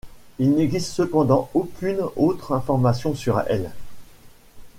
Il n'existe cependant aucune autre information sur elles.